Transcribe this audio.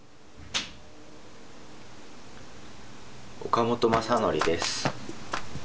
岡本将徳です。